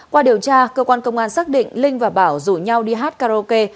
qua điều tra cơ quan công an xác định linh và bảo rủ nhau đi hát karaoke